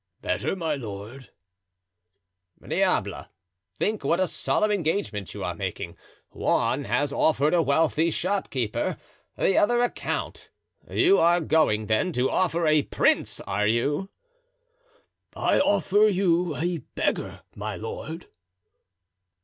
"Better, my lord." "Diable! think what a solemn engagement you are making; one has offered a wealthy shopkeeper, the other a count; you are going, then, to offer a prince, are you?" "I offer you a beggar, my lord."